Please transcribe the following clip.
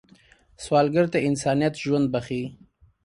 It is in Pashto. سوالګر ته انسانیت ژوند بښي